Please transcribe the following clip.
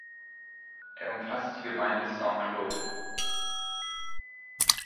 Er umfasste die Gemeinde Saint-Claude.